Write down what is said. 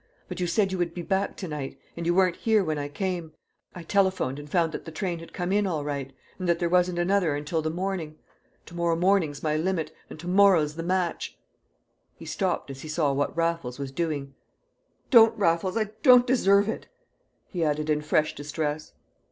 But you said you would be back to night; and you weren't here when I came. I telephoned and found that the train had come in all right, and that there wasn't another until the morning. Tomorrow morning's my limit, and to morrow's the match." He stopped as he saw what Raffles was doing. "Don't, Raffles, I don't deserve it!" he added in fresh distress.